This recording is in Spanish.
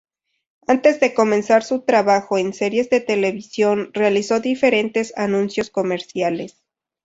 Antes de comenzar su trabajo en series de televisión realizó diferentes anuncios comerciales.